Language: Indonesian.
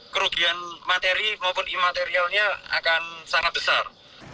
kerugian materi maupun imaterialnya akan sangat besar